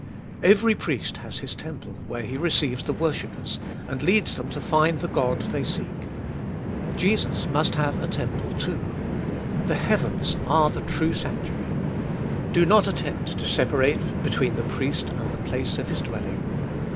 2. Every priest has his temple, where he receives the worshippers, and leads them to find the Ood they seek. Jesus must have a temple too. The heavens are the true sanctuary. Do not attempt to separate between the priest and the place of his dwelling.